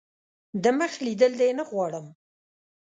دمخ لیدل دي نه غواړم .